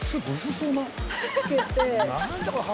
つけて。